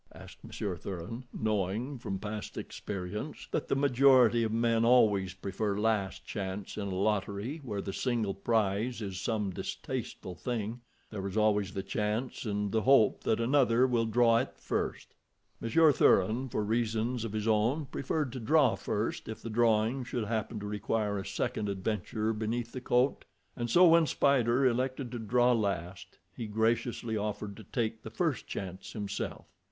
asked Monsieur Thuran, knowing from past experience that the majority of men always prefer last chance in a lottery where the single prize is some distasteful thing—there is always the chance and the hope that another will draw it first. Monsieur Thuran, for reasons of his own, preferred to draw first if the drawing should happen to require a second adventure beneath the coat. And so when Spider elected to draw last he graciously offered to take the first chance himself.